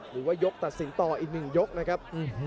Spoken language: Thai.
หรือว่ายกตัดสินต่ออีก๑ยกนะครับ